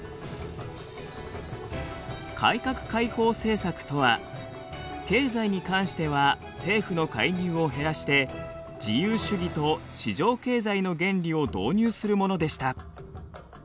改革開放政策とは経済に関しては政府の介入を減らして自由主義と市場経済の原理を導入するものでした。